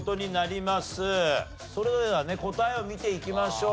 それではね答えを見ていきましょうか。